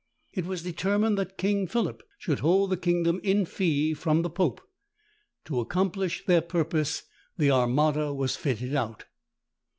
It was determined that King Philip should hold the kingdom in fee from the pope. To accomplish their purpose, the Armada was fitted out.